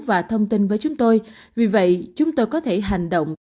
và thông tin với chúng tôi vì vậy chúng tôi có thể hành động